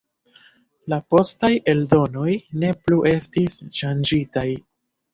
La postaj eldonoj ne plu estis ŝanĝitaj.